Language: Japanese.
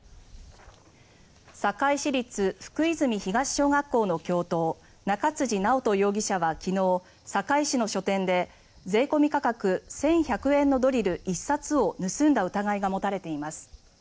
堺市立福泉東小学校の教頭中辻直人容疑者は昨日堺市の書店で税込み価格１１００円のドリル１冊を盗んだ疑いが持たれています。